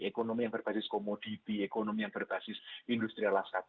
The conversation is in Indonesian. ekonomi yang berbasis komoditi ekonomi yang berbasis industrialisasi